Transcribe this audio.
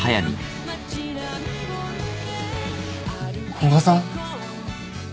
古賀さん？